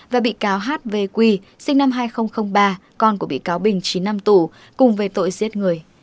và bị cáo h v q sinh năm hai nghìn ba con của bị cáo bình chín năm tù cùng về tội giết người